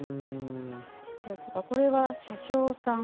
それとかこれは車掌さん。